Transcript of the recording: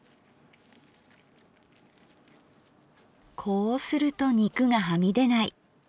こうすると肉がはみ出ない。